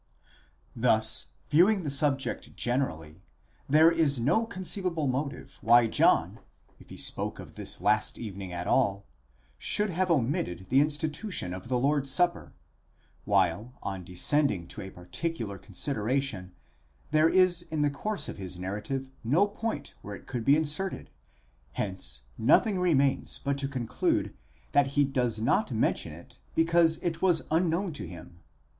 Thus, viewing the subject generally, there is no conceivable motive why John, if he spoke of this last evening at all, should have omitted the insti tution of the Lord's supper; while, on descending to a particular consider ation, there is in the course of his narrative no point where it could be inserted: hence nothing remains but to conclude that he does not mention it because it was unknown to him.